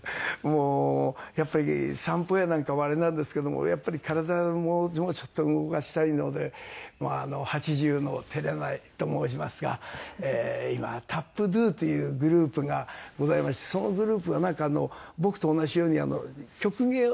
もうやっぱり散歩やなんかもあれなんですけどもやっぱり体ももうちょっと動かしたいので八十の手習いと申しますが今ＴＡＰＤＯ！というグループがございましてそのグループが僕と同じように曲芸。